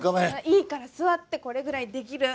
いいから座ってこれぐらいできる！